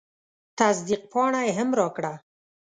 تصدیق پاڼه یې هم راکړه.